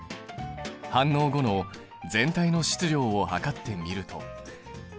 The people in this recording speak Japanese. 反応後の全体の質量を量ってみると１０９．２２ｇ。